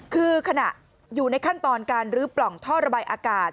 คือขณะอยู่ในขั้นตอนการลื้อปล่องท่อระบายอากาศ